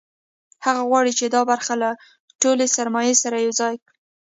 هغه غواړي چې دا برخه له ټولې سرمایې سره یوځای کړي